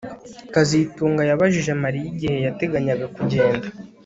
kazitunga yabajije Mariya igihe yateganyaga kugenda